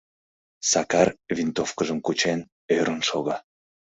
Сакар, винтовкыжым кучен, ӧрын шога.